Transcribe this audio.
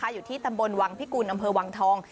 อยู่ที่ตำบลวังพิกุลอำเภอวังทอง